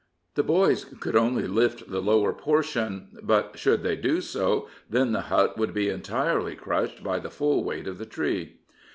The boys could only lift the lower portion; but should they do so, then the hut would be entirely crushed by the full weight of the tree.